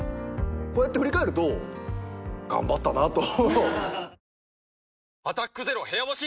こうやって振り返ると頑張ったなと。